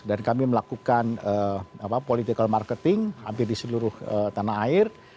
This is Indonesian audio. dan kami melakukan political marketing hampir di seluruh tanah air